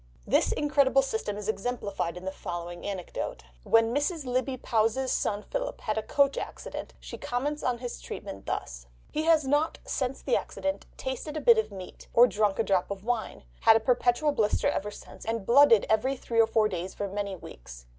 This incredible system is exemplified in the following anecdote. When Mrs. Lybbe Powys' son Philip had a coach accident she comments on his treatment thus: "He has not, since the accident, tasted a bit of meat, or drunk a drop of wine, had a perpetual blister ever since, and blooded every three or four days for many weeks."